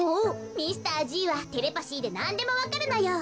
ミスターＧはテレパシーでなんでもわかるのよ。